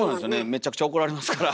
めちゃくちゃ怒られますから。